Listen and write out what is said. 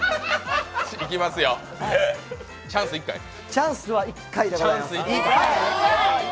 チャンスは１回でございます。